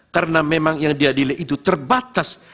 karena memang yang diadili itu terbatas